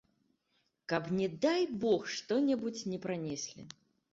Каб не дай бог, што-небудзь не пранеслі.